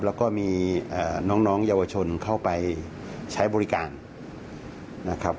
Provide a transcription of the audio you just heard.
แล้วก็มีน้องเยาวชนเข้าไปใช้บริการนะครับ